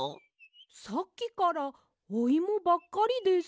さっきからおイモばっかりです。